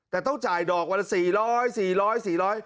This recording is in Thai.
แต่ต้องจ่ายดอกวันละสี่ร้อยสี่ร้อยสี่ร้อย